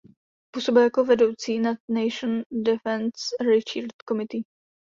Působil jako vedoucí National Defense Research Committee.